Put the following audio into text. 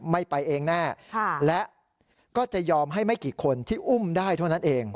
ไม่ไปเองแน่และก็จะยอมให้ไม่กี่คนที่อุ้มได้เท่านั้นเอง